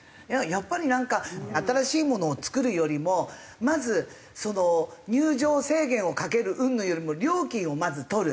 やっぱりなんか新しいものを造るよりもまずその入場制限をかけるうんぬんよりも料金をまず取る。